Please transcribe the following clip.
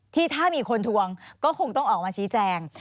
ที่ถ้ามีคนทวงก็คงต้องออกมาชี้แจง